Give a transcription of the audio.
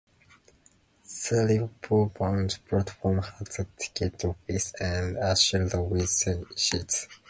The Liverpool-bound platform has a ticket office and a shelter with seats.